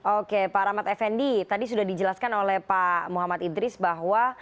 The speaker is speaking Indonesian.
oke pak rahmat effendi tadi sudah dijelaskan oleh pak muhammad idris bahwa